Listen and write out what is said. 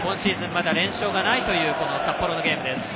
まだ連勝がないという札幌のゲームです。